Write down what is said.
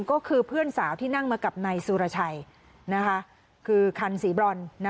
ก็คือเพื่อนสาวที่นั่งมากับนายสุรชัยคือคันสีบรอน